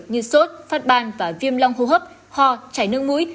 như sốt phát ban và viêm long hô hấp ho chảy nước mũi